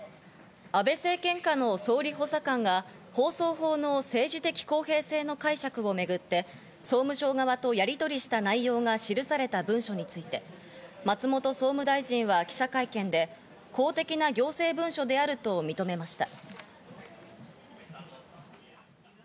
安倍政権下の総理補佐官が放送法の政治的公平性の解釈をめぐって、総務省側とやりとりした内容が記された文書について、松本総務大臣は記者会見で、公的な行政文書であると認めました。